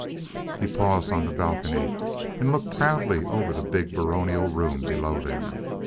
He paused on the balcony and looked proudly over the big, baronial room below them.